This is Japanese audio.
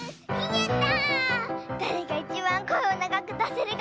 やった！